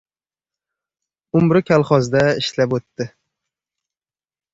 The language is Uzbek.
Umri kolxozda ishlab o‘tdi.